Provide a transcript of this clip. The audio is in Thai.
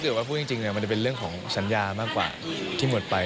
ว่าพูดจริงมันจะเป็นเรื่องของสัญญามากกว่าที่หมดไป